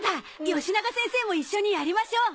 よしなが先生も一緒にやりましょう！